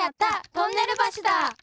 トンネルばしだ！